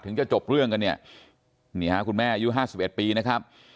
จะจบเรื่องกันเนี่ยนี่ฮะคุณแม่อายุ๕๑ปีนะครับ